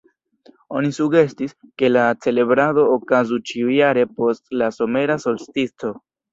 Oni sugestis, ke la celebrado okazu ĉiujare post la somera solstico.